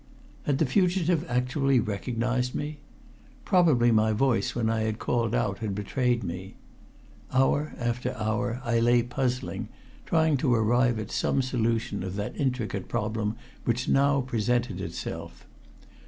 Had the fugitive actually recognized me? Probably my voice when I had called out had betrayed me. Hour after hour I lay puzzling, trying to arrive at some solution of that intricate problem which now presented itself.